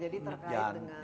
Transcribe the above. jadi image nya terbangun